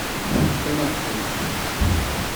Tefkamt-aɣ-ten-id.